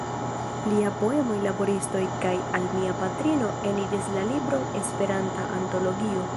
Liaj poemoj "Laboristoj" kaj "Al mia patrino" eniris la libron "Esperanta Antologio".